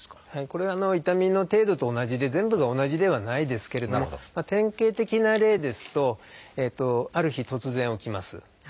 これは痛みの程度と同じで全部が同じではないですけれども典型的な例ですとある日突然起きます。